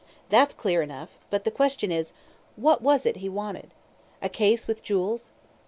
That's clear enough, but the question is, What was it he wanted? A case with jewels?